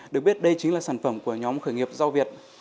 được biết đây chính là sản phẩm của nhóm khởi nghiệp do việt